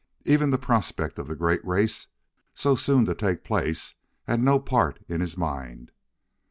Even the prospect of the great race, so soon to take place, had no part in his mind.